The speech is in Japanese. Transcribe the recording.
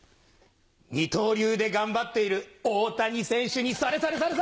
二刀流で頑張っている大谷選手にそれそれ！